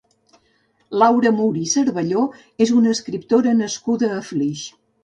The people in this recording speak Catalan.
Laura Mur i Cervelló és una escriptora nascuda a Flix.